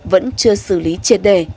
vẫn chưa xử lý triệt đề